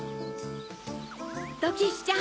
ドキッシュちゃん